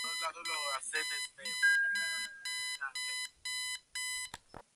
El tema lo dominan la armónica, la trompeta y el trombón.